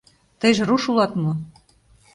Тыйже руш улат мо?